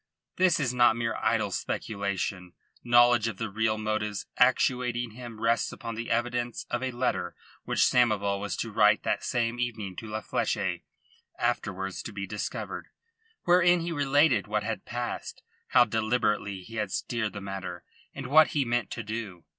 This is not mere idle speculation. Knowledge of the real motives actuating him rests upon the evidence of a letter which Samoval was to write that same evening to La Fleche afterwards to be discovered wherein he related what had passed, how deliberately he had steered the matter, and what he meant to do.